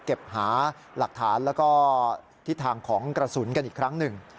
หาหลักฐานแล้วก็ทิศทางของกระสุนกันอีกครั้งหนึ่ง